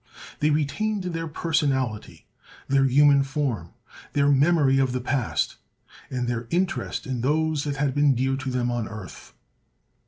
They retained their personality, their human form, their memory of the past, and their interest in those that had been dear to them on earth.